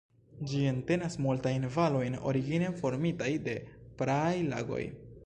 Ĝi entenas multajn valojn origine formitaj de praaj lagoj.